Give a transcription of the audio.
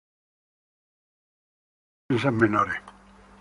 En su parte norte se hayan unas defensas menores.